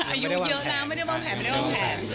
อายุนไม่ได้ว่างแผ่ง